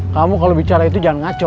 kamu kalau bicara itu jangan ngaco